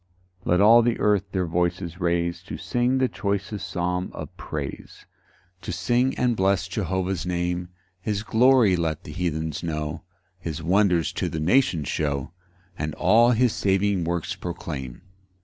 1 Let all the earth their voices raise To sing the choicest psalm of praise, To sing and bless Jehovah's name: His glory let the heathens know, His wonders to the nations show, And all his saving works proclaim.